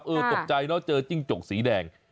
ตกใจเนอะเจอจิ้งจกสีแดง